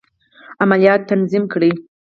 عملیات تنظیم کړي.